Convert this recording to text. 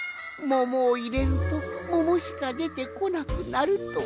ももをいれるとももしかでてこなくなるとは。